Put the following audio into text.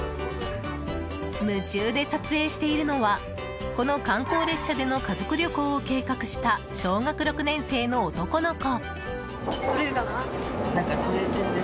夢中で撮影しているのはこの観光列車での家族旅行を計画した小学６年生の男の子。